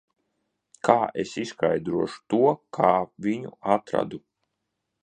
Kā es izskaidrošu to, kā viņu atradu?